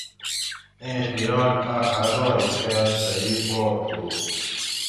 اِیں خیال اۤ حدائ کہ صحیح پا تھُو